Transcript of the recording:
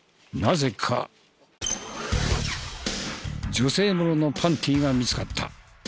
女性物のパンティが見つかった。